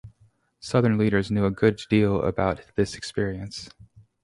Southern leaders knew a good deal about this experience.